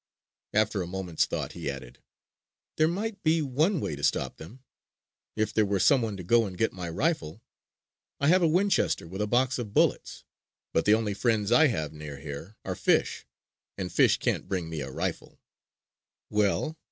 After a moment's thought he added: "There might be one way to stop them. If there were someone to go and get my rifle ... I have a Winchester, with a box of bullets ... but the only friends I have near here are fish ... and fish can't bring me a rifle!" "Well...?"